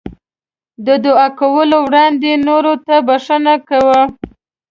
د دعا کولو وړاندې نورو ته بښنه کوه.